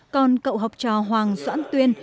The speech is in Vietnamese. còn cậu học trò hoàng doãn tuyên